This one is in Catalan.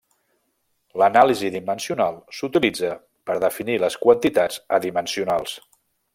L'anàlisi dimensional s'utilitza per a definir les quantitats adimensionals.